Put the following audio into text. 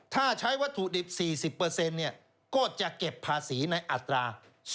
ถ้าใช้วัตถุดิบ๔๐ก็จะเก็บภาษีในอัตรา